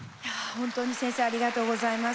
本当に先生ありがとうございます。